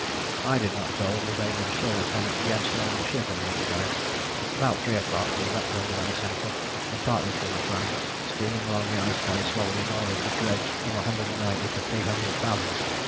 I did not go and was able to show Lieut. Jensen over the ship in the meantime. About three o'clock we let go the ice anchor and parted from the Fram, steaming along the ice very slowly in order to dredge from 190 to 300 fathoms.